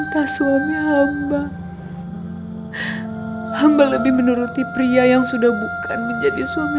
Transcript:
jangan sangat mencintai kamu